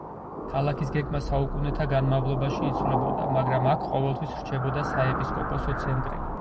ქალაქის გეგმა საუკუნეთა განმავლობაში იცვლებოდა, მაგრამ აქ ყოველთვის რჩებოდა საეპისკოპოსო ცენტრი.